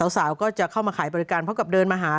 สาวก็จะเข้ามาขายบริการเพราะกับเดินมาหา